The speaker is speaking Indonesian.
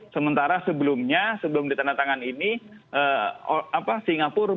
sementara sebelumnya sebelum ditandatangani ini singapura belum memiliki ekstradisi